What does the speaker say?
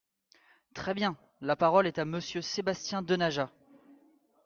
Très bien ! La parole est à Monsieur Sébastien Denaja.